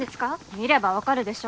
見ればわかるでしょ。